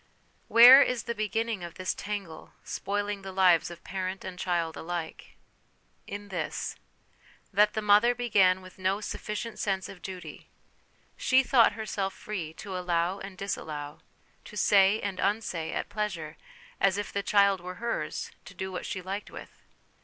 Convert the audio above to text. Where is the beginning of this tangle, spoiling the lives of parent and child alike? In this: that the mother began with no sufficient sense of duty ; she thought herself free to allow and disallow, to say and unsay, at pleasure, as if the child were hers to do what she liked with.